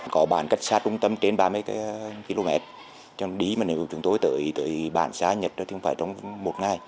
có bản cách xa trung tâm trên ba mươi km chẳng đí mà nếu chúng tôi tới bản xã nhật thì không phải trong một ngày